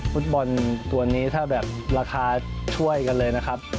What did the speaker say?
ฟุตบอลตัวนี้ถ้าแบบราคาช่วยกันเลยนะครับ